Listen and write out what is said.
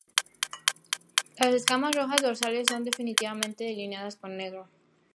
Las escamas rojas dorsales son distintivamente delineadas con negro.